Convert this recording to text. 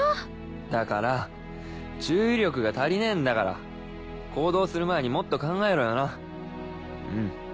だから注意力が足りねえんだから行動する前にもっと考えろよなうん。